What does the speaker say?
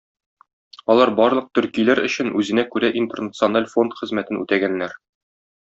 Алар барлык төркиләр өчен үзенә күрә интернациональ фонд хезмәтен үтәгәннәр.